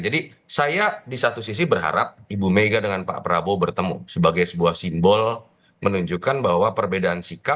jadi saya di satu sisi berharap ibu mega dengan pak prabowo bertemu sebagai sebuah simbol menunjukkan bahwa perbedaan sikap dan pasca pil pertemuan